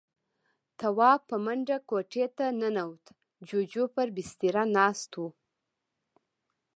تواب په منډه کوټې ته ننوت. جُوجُو پر بستره ناست و.